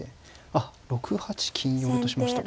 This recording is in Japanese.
あっ６八金寄としましたか。